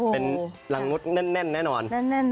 เป็นรังมุดแน่นแน่นอน